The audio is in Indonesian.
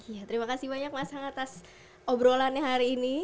iya terima kasih banyak masang atas obrolannya hari ini